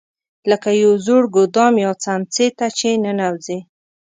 لکه یو زوړ ګودام یا څمڅې ته چې ننوځې.